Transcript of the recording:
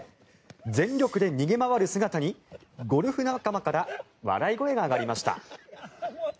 全力で逃げ回る姿にゴルフ仲間から笑い声が上がりました。